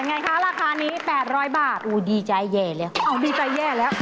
ไงคะราคานี้๘๐๐บาทอู้ดีใจแย่เลยอ้าวดีใจแย่แล้ว